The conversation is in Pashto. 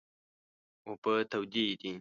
اوبه تودې دي